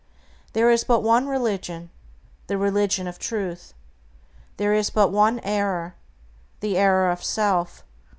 There is but one religion, the religion of Truth. There is but one error, the error of self.